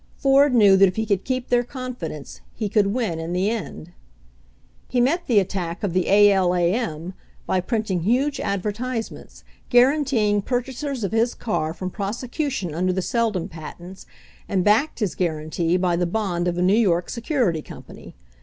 Ford knew that if he could keep their confidence he could win in the end. He met the attack of the A. L. A. M. by print ing huge advertisements guaranteeing purchasers of his cars from prosecution under the Seldon patents, and backed his guarantee by the bond of a New York security company.